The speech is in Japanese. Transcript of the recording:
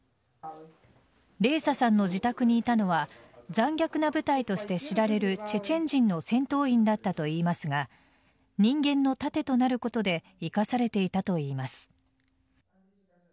レーサさんの自宅にいたのは残虐な部隊として知られるチェチェン人の戦闘員だったといいますが人間の盾となることで生かされていたといいます。